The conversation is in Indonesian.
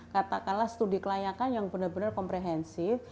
katakanlah studi kelayakan yang benar benar komprehensif